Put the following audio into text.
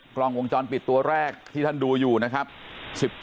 กล้องวงจรปิดตัวแรกที่ท่านดูอยู่นะครับ